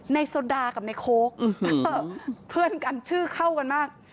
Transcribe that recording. โซดากับในโค้กเพื่อนกันชื่อเข้ากันมาก